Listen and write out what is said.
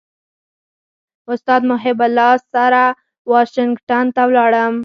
استاد محب الله سره واشنګټن ته ولاړم.